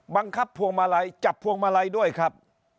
พวงมาลัยจับพวงมาลัยด้วยครับ